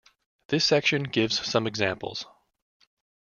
This section gives some examples.